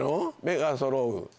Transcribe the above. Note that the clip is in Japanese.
「目がそろう」。